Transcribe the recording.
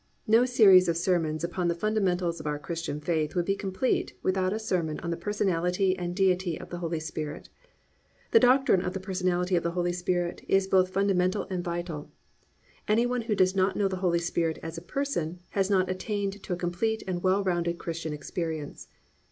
No series of sermons upon the Fundamentals of our Christian faith would be complete without a sermon on the Personality and Deity of the Holy Spirit. The doctrine of the Personality of the Holy Spirit is both fundamental and vital. Any one who does not know the Holy Spirit as a person has not attained to a complete and well rounded Christian experience.